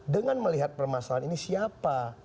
dengan melihat permasalahan ini siapa